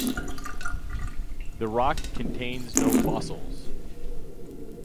The rock contains no fossils.